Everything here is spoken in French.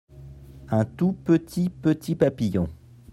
un tout petit petit papillon.